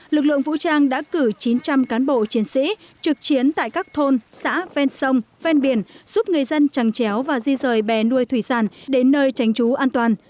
lực lượng vũ trang đã cử chín trăm linh cán bộ chiến sĩ trực chiến tại các thôn xã ven sông ven biển giúp người dân trăng chéo và di rời bè nuôi thủy sản đến nơi tránh trú an toàn